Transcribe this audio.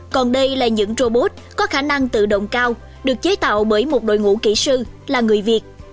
còn đây là những robot có khả năng tự động cao được chế tạo bởi một đội ngũ kỹ sư là người việt